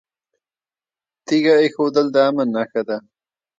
تیږه ایښودل د امن نښه ده